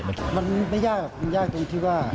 มันไม่ยากมันยากตรงที่ว่า